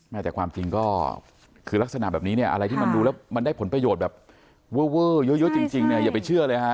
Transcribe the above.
แต่ความจริงก็คือลักษณะแบบนี้เนี่ยอะไรที่มันดูแล้วมันได้ผลประโยชน์แบบเวอร์เยอะจริงเนี่ยอย่าไปเชื่อเลยฮะ